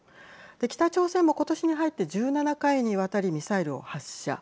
北朝鮮もことしに入って１７回にわたりミサイルを発射。